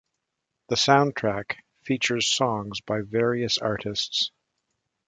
The soundtrack features songs by various artists.